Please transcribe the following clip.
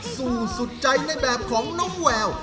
สู้สุดใจในแบบของน้องแวว